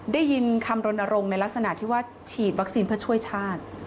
ได้ยินคำรณรงค์ในลักษณะที่ว่าฉีดวัคซีนเพื่อช่วยชาติ